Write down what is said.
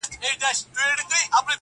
• ژوند راته لنډوکی د شبنم راکه..